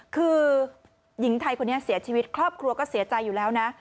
คือหญิงไทยคนนี้เสียชีวิตครอบครัวก็เสียใจอยู่แล้วนะ